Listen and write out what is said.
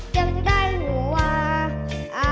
จำได้หัวว่า